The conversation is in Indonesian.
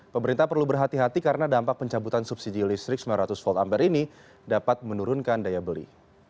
pemerintah perlu berhati hati karena dampak pencabutan subsidi listrik sembilan ratus volt ampere ini dapat menurunkan daya beli